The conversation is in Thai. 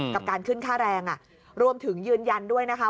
กับการขึ้นค่าแรงรวมถึงยืนยันด้วยนะคะ